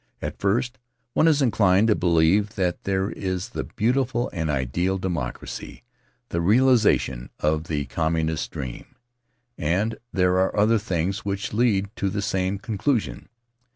At first one is inclined to believe that here is the beautiful and ideal democracy — the realization of the communist's dream — and there are other things which lead to the same conclusion.